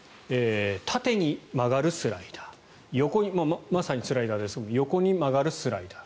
縦に曲がるスライダー横にまさにスライダーですが横に曲がるスライダー。